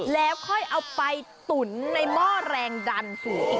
แล้วค่อยเอาไปตุ๋นในหม้อแรงดันสูงอีก